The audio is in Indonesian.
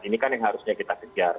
ini kan yang harusnya kita kejar